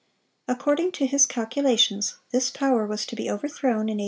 According to his calculations, this power was to be overthrown "in A.